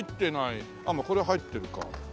これ入ってるか。